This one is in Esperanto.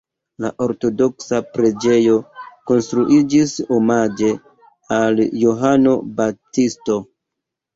La ortodoksa preĝejo konstruiĝis omaĝe al Johano Baptisto.